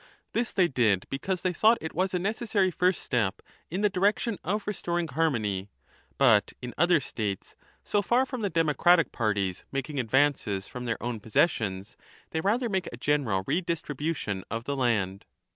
This they did because they thought it was a necessary first step in the direction of restoring harmony ; but in other states, so far from the democratic parties 1 making advances from their own possessions, they are rather in the habit of making a general redistribution of the land.